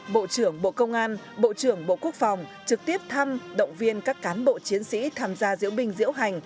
bộ trưởng bộ công an bộ trưởng bộ quốc phòng trực tiếp thăm động viên các cán bộ chiến sĩ tham gia diễu binh diễu hành